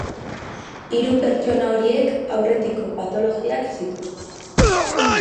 Hiru pertsona horiek aurretiko patologiak zituzten.